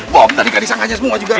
bom tadi kan di sangkanya semua juga